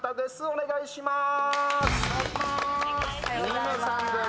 お願いします。